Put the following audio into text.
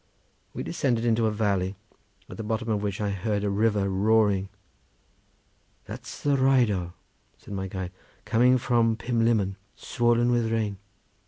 We descended into a valley, at the bottom of which I heard a river roaring. "That's the Rheidol," said my guide, "coming from Pumlimmon, swollen with rain."